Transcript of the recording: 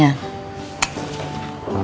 ya belum ketemu juga